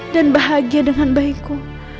dan bahagia dengan bayiku